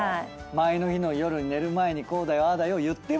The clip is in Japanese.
前の日の夜寝る前にこうだよああだよ言っても？